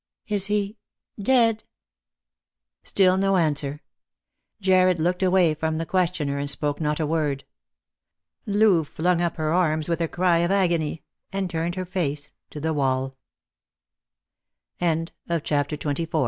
" Is he— dead P" Still no answer. Jarred looked away from the questioner, and spoke not a word. Loo flung up her arms with a cry of agony, and turned her face to the w